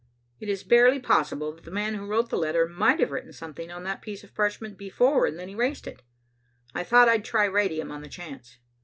It is barely possible that the man who wrote the letter might have written something on that piece of parchment before and then erased it. I thought I'd try radium on the chance.